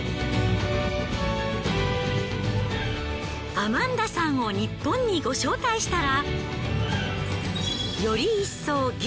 アマンダさんをニッポンにご招待したら。